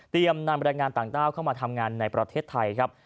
เตรียมนานบริษัทงานต่างเต้าเข้ามาทำงานในประเทศไทยครับ